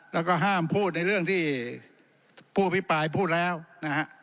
แล้วก็ห้ามพูดในเรื่องที่ผู้อภิปรายพูดแล้วนะฮะ